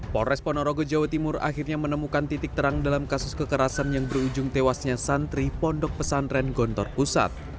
polres ponorogo jawa timur akhirnya menemukan titik terang dalam kasus kekerasan yang berujung tewasnya santri pondok pesantren gontor pusat